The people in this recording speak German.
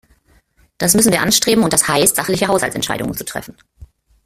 Das müssen wir anstreben und das heißt, sachliche Haushaltsentscheidungen zu treffen.